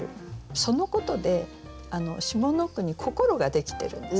そのことで下の句に心ができてるんです。